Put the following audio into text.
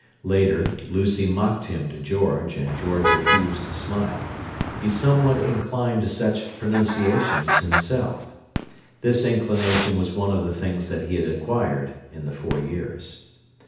Later, Lucy mocked him to George, and George refused to smile: he somewhat inclined to such pronunciations, himself. This inclination was one of the things that he had acquired in the four years.